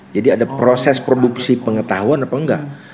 jadi ada proses produksi pengetahuan atau enggak